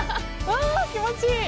わぁ、気持ちいい。